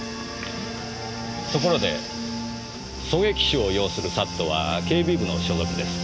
ところで狙撃手を擁するＳＡＴは警備部の所属です。